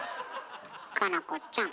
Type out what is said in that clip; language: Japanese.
佳菜子ちゃん。